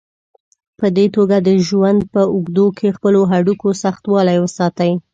په دې توګه د ژوند په اوږدو کې خپلو هډوکو سختوالی وساتئ.